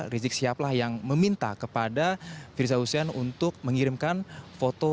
rizik siap lah yang meminta kepada firdzau husein untuk mengirimkan foto